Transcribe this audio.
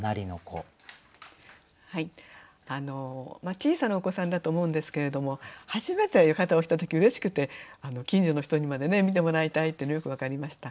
小さなお子さんだと思うんですけれども初めて浴衣を着た時うれしくて近所の人にまで見てもらいたいというのがよく分かりました。